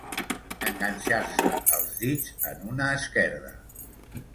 Enganxar-se els dits en una esquerda.